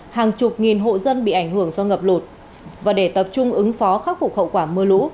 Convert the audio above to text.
hàng chục nghìn hộ dân bị ảnh hưởng do ngập lụt và để tập trung ứng phó khắc phục hậu quả mưa lũ